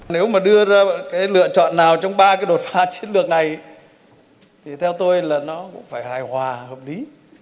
nếu mà đưa ra cái lựa chọn nào trong ba cái đột pha chiến lược này thì theo tôi là nó cũng phải hài hòa hợp lý